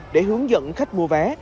để hướng dẫn khách mua vé